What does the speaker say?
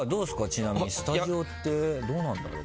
ちなみにスタジオってどうなんだろう？